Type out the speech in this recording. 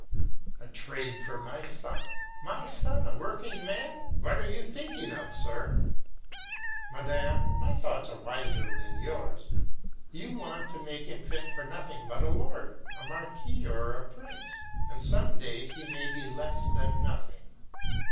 "A trade for my son! My son a working man! What are you thinking of, sir?" Madam, my thoughts are wiser than yours; you want to make him fit for nothing but a lord, a marquis, or a prince; and some day he may be less than nothing.